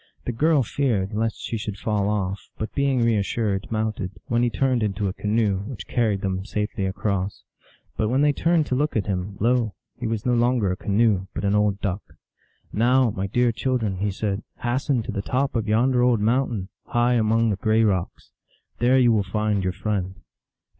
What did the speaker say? The girl feared lest she should fall off, but being reas sured mounted, when he turned into a canoe, which carried them safely across. But when they turned to look at him, lo ! he was no longer a canoe, but an old Duck. " Now, my dear children," he said, u hasten to the top of yonder old mountain, high among the gray rocks. There you will find your friend."